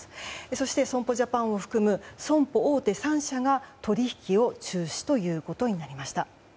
そして、損保ジャパンを含む損保大手３社が取引を中止ということになりました。